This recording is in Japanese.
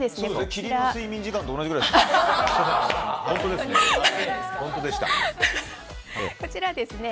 キリンの睡眠時間と同じぐらいですからね。